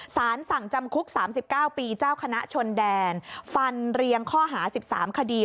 สารสั่งจำคุกสามสิบเก้าปีเจ้าคณะชนแดนฟันเรียงข้อหาสิบสามคดี